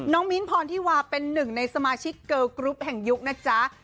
มิ้นท์พรธิวาเป็นหนึ่งในสมาชิกเกอร์กรุ๊ปแห่งยุคนะจ๊ะ